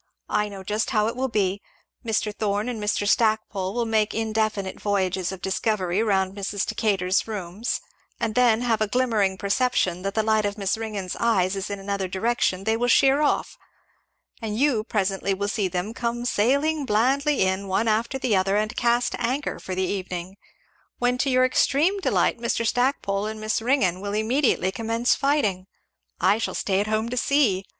I know just how it will be. Mr. Thorn and Mr. Stackpole will make indefinite voyages of discovery round Mrs. Decatur's rooms, and then having a glimmering perception that the light of Miss Ringgan's eyes is in another direction they will sheer off; and you will presently see them come sailing blandly in, one after the other, and cast anchor for the evening; when to your extreme delight Mr. Stackpole and Miss Ringgan will immediately commence fighting. I shall stay at home to see!"